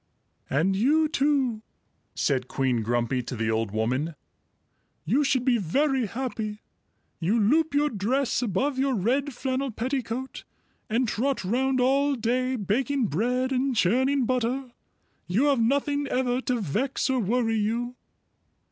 "And you too," said Queen Grumpy to the old woman, "you should be very happy. You loop your dress above your red flannel petticoat and trot round all day, baking bread and churning butter. You have nothing ever to vex or worry you."